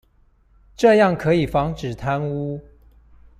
這樣可以防止貪污